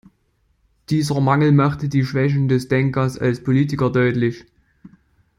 Dieser Mangel machte die Schwächen des Denkers als Politiker deutlich.